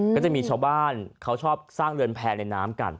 ก็จะมีชาวบ้านเขาชอบสร้างเรือนแพร่ในน้ำกัน